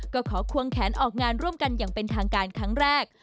ก็ขอควงแขนออกงานร่วมกันอย่างเป็นทางการครั้งแรก